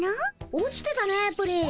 落ちてたねプリン。